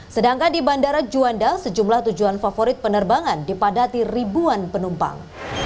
sedangkan di bandara juanda sejumlah tujuan favorit penerbangan dipadati ribuan penumpang